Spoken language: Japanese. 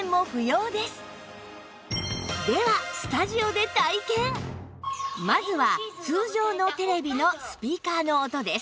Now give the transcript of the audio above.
ではまずは通常のテレビのスピーカーの音です